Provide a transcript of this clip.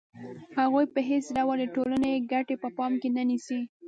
هغوی په هېڅ ډول د ټولنې ګټې په پام کې نه نیسي